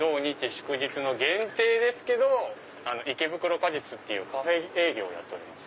祝日の限定ですけど池袋果実っていうカフェ営業をやっております。